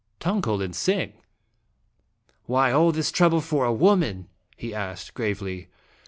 " Tong ko lin sing !" "Why all this trouble for a woman?" he asked, gravely.